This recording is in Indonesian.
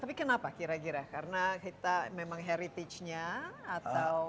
tapi kenapa kira kira karena kita memang heritage nya atau